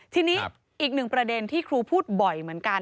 ทีนี้อีกหนึ่งประเด็นที่ครูพูดบ่อยเหมือนกัน